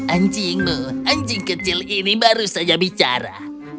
anjingmu anjing kecil ini baru saja bicara